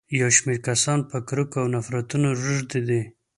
يو شمېر کسان په کرکو او نفرتونو روږدي دي.